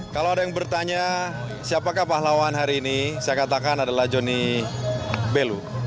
kalau ada yang bertanya siapakah pahlawan hari ini saya katakan adalah joni belu